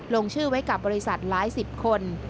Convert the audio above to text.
ลงชื่อไว้กับบริษัทหลายสิบคน